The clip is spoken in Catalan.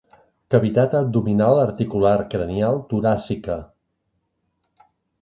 Cavitat abdominal, articular, cranial, toràcica.